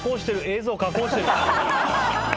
映像を加工してる。